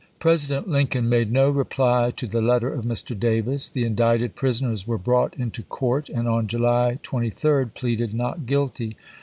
President Lincoln made no reply to the letter of Mr. Davis. The indicted prisoners were brought mi. into court, and on July 23d pleaded not guilty.